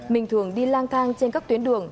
minh thường đi lang thang trên các tuyến đường